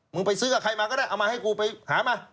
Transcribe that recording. ไปซื้อกับใครมาก็ได้เอามาให้กูไปหามา